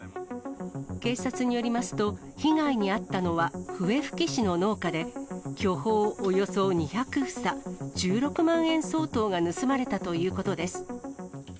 警察によりますと、被害に遭ったのは、笛吹市の農家で、巨峰およそ２００房、１６万円相当が盗まれたということです。